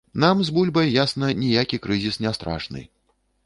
Нам з бульбай, ясна, ніякі крызіс не страшны.